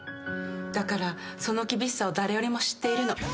だからその厳しさを誰よりも知っているの。